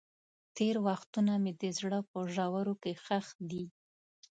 تېر وختونه مې د زړه په ژورو کې ښخ دي.